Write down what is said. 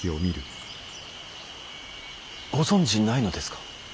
ご存じないのですか。